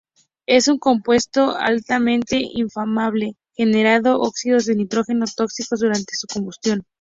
Es un compuesto altamente inflamable, generando óxidos de nitrógeno tóxicos durante su combustión.